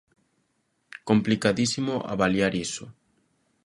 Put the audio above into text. Complicadísimo avaliar iso.